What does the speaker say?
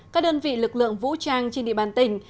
các đơn vị lực lượng vũ trang trên địa bàn tỉnh